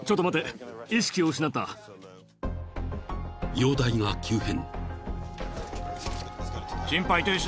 ［容体が急変］